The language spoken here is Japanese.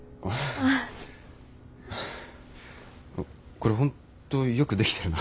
これ本当よく出来てるな。